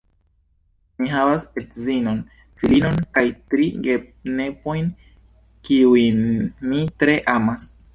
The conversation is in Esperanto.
Mi havas edzinon, filinon kaj tri genepojn, kiujn mi tre amas.